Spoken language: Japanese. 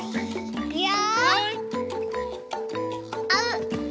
いくよ。